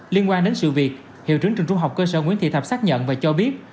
liên quan đến sự việc hiệu trưởng trường trung học cơ sở nguyễn thị thập xác nhận và cho biết